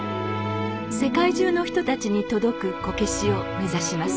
世界中の人たちに届くこけしを目指します。